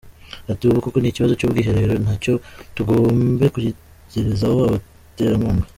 Ati “Ubu koko n’ikibazo cy’ubwiherero na cyo tugombe kugitegerezaho abaterankunga?